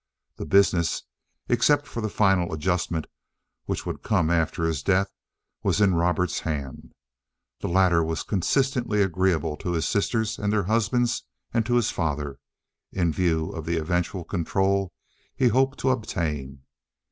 The business, except for the final adjustment which would come after his death, was in Robert's hands. The latter was consistently agreeable to his sisters and their husbands and to his father, in view of the eventual control he hoped to obtain.